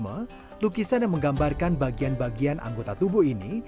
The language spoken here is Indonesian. mengangkat konsep surrealisme lukisan yang menggambarkan bagian bagian anggota tubuh ini